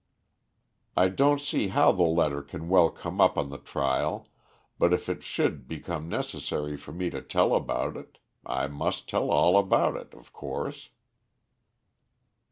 I don't see how the letter can well come up on the trial, but if it should become necessary for me to tell about it, I must tell all about it, of course."